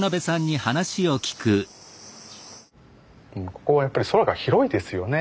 ここはやっぱり空が広いですよね。